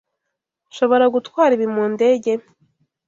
Nshobora gutwara ibi mu ndege?